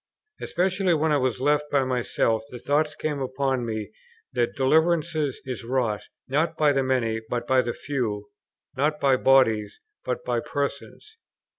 Especially when I was left by myself, the thought came upon me that deliverance is wrought, not by the many but by the few, not by bodies but by persons.